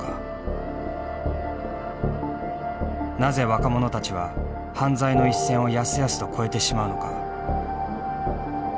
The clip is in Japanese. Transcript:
なぜ若者たちは犯罪の一線をやすやすと越えてしまうのか。